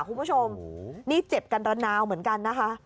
คุณผู้ชมนี่เจ็บกันระนาวเหมือนกันนะคะ